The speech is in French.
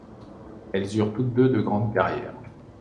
Elles eurent toutes deux de très grandes carrières.